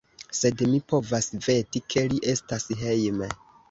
Sed mi povas veti, ke li estas hejme.